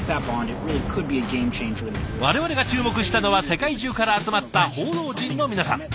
我々が注目したのは世界中から集まった報道陣の皆さん。